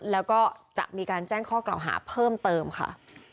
แล้วก็จะมีการแจ้งข้อกล่าวหาเพิ่มเติมค่ะ